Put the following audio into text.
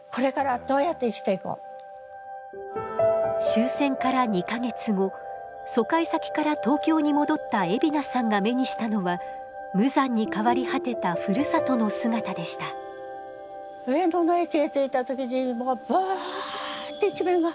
終戦から２か月後疎開先から東京に戻った海老名さんが目にしたのは無残に変わり果てたふるさとの姿でした上野の駅へ着いた時にもうブワって一面が。